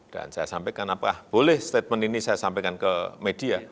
dan saya sampaikan apakah boleh statement ini saya sampaikan ke masyarakat